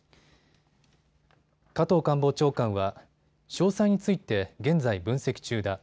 加藤官房長官は詳細について現在、分析中だ。